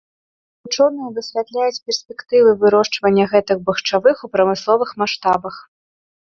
Вучоныя высвятляюць перспектывы вырошчвання гэтых бахчавых у прамысловых маштабах.